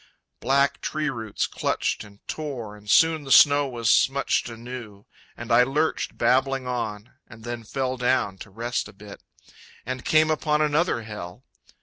Black tree roots clutched And tore and soon the snow was smutched Anew; and I lurched babbling on, And then fell down to rest a bit, And came upon another Hell...